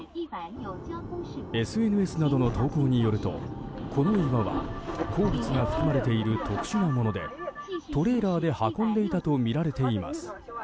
ＳＮＳなどの投稿によるとこの岩は鉱物が含まれている特殊なものでトレーラーで運んでいたとみられています。